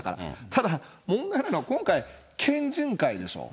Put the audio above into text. ただ問題なのは、今回、県人会でしょ。